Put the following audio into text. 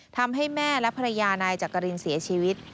ทำให้แม่และภรรยานายจักรินเสียชีวิต